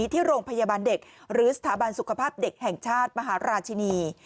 ที่โรงพยาบาลเด็กหรือสถาบันสุขภาพเด็กแห่งชาติมหาราชินี